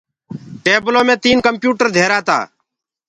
ٽيبلو مي تين ڪمپيوٽر ڌيرآ تآ